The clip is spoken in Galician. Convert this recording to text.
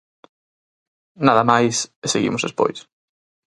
Nada máis e seguimos despois.